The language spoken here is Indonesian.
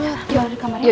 yaudah kita balik kamarnya